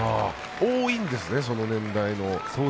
多いんですね、その年代の方。